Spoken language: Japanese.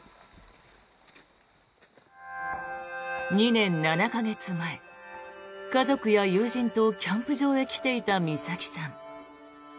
２年７か月前、家族や友人とキャンプ場へ来ていた美咲さん。